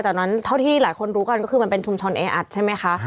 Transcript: จากนั้นเท่าที่หลายคนรู้กันก็คือมันเป็นชุมชนแออัดใช่ไหมคะ